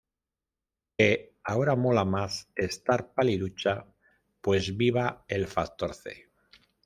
que ahora mola más estar paliducha pues viva el factor C